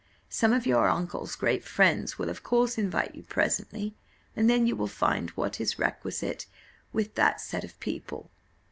Some of your uncle's great friends will of course invite you presently, and then you will find what is requisite with that set of people."